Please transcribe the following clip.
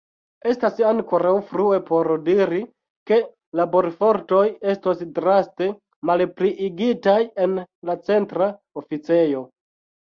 Estas ankoraŭ frue por diri, ke laborfortoj estos draste malpliigitaj en la Centra Oficejo.